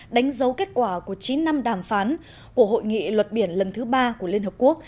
đánh dấu kết quả của chín năm đàm phán của hội nghị luật biển lần thứ ba của liên hợp quốc